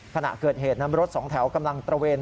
ขณะเกิดเหตุนั้นรถสองแถวกำลังตระเวน